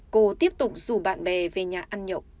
cô tiếp tục rủ bạn bè về nhà ăn nhậu